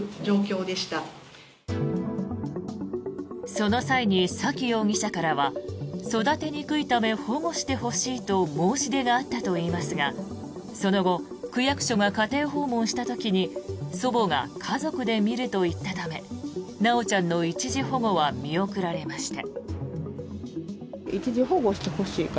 その際に沙喜容疑者からは育てにくいため保護してほしいと申し出があったといいますがその後区役所が家庭訪問した時に祖母が家族で見ると言ったため修ちゃんの一時保護は見送られました。